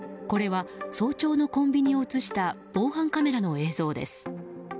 これは早朝のコンビニを映した防犯カメラの映像です。